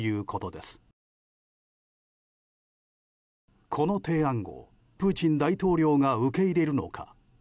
この提案をプーチン大統領が受け入れるのか。